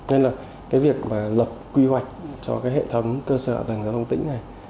nên là việc lập quy hoạch cho hệ thống cơ sở tầng giao thông tỉnh này